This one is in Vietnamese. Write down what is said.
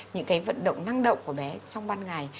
những cái vận động năng động của bé trong ban ngày